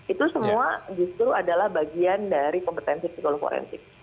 itu semua justru adalah bagian dari kompetensi psikolog forensik